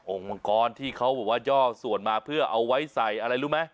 มังกรที่เขาบอกว่าย่อส่วนมาเพื่อเอาไว้ใส่อะไรรู้ไหม